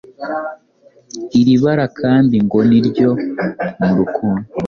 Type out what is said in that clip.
Iri bara kandi ngo ni ryo mu rukundo